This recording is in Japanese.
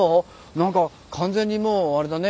何か完全にもうあれだね。